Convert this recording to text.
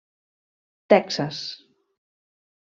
Texas.